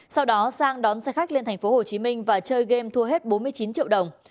sau đó sang đón xe khách lên thành phố hồ chí minh và chơi game thua hết bốn mươi chín triệu đồng